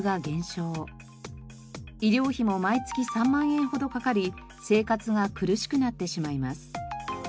医療費も毎月３万円ほどかかり生活が苦しくなってしまいます。